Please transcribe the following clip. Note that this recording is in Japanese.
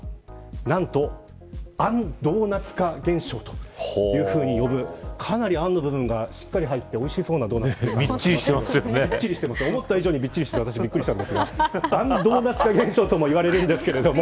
何と、あんドーナツ化現象と呼ぶかなり、あんの部分がしっかり入っていそうなおいしそうなドーナツですが思った以上に、みっちりしてびっくりしたんですがあんドーナツ化現象ともいわれるんですけれども